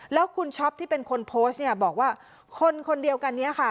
แล้วคุณช็อปที่เป็นคนโพสต์เนี่ยบอกว่าคนคนเดียวกันนี้ค่ะ